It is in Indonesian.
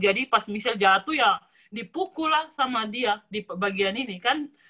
jadi pas michelle jatuh ya dipukul lah sama dia di bagian ini kan